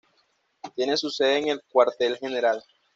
Tiene su sede en el cuartel general.